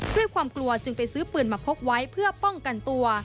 ด้วยความกลัวจึงไปซื้อปืนมาพกไว้เพื่อป้องกันตัว